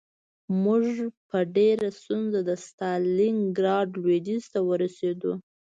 موږ په ډېره ستونزه د ستالینګراډ لویدیځ ته ورسېدو